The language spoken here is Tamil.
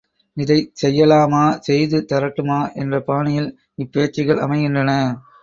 இதைச் செய்யலாமா செய்து தரட்டுமா என்ற பாணியில் இப்பேச்சுகள் அமைகின்றன.